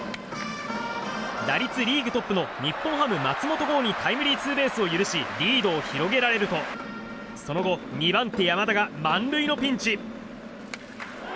打率リーグトップの日本ハム、松本剛にタイムリーツーベースを許しリードを広げられるとその後、２番手、山田が満塁のピンチ。